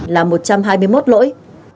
là một trăm hai mươi một lỗi